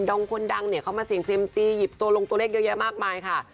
ทั้งคนดังเขามาเสียงเซ็มซีหยิบตัวลงตัวเลขเยอะแยะมากมายค่ะ